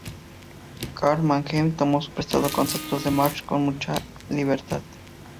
Karl Mannheim, tomo prestado conceptos de Marx con mucha libertad.